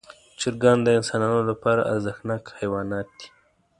چرګان د انسانانو لپاره ارزښتناک حیوانات دي.